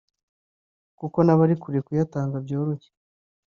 kuko n’abari kure kuyatanga byoroshye